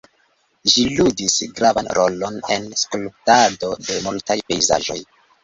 Ĝi ludis gravan rolon en skulptado de multaj pejzaĝoj.